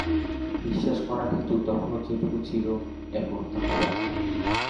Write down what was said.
বিশ্বাস করার হেতু তখনো যেটুকু ছিল, এখনো তাহাই আছে।